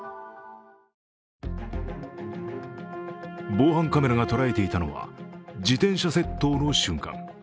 防犯カメラが捉えていたのは自転車窃盗の瞬間。